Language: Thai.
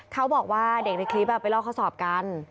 เขาบอกว่าเด็กในคลิปไปลอกข้อสอบกัน